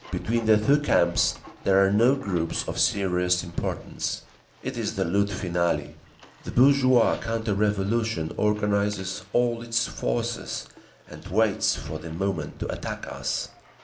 Between the two camps there are no groups of serious importance…. It is the lutte finale. The bourgeois counter revolution organises all its forces and waits for the moment to attack us.